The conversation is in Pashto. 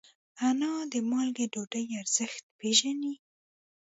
انا د مالګې ډوډۍ ارزښت پېژني